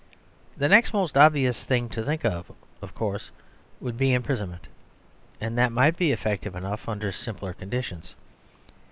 The next most obvious thing to think of, of course, would be imprisonment, and that might be effective enough under simpler conditions.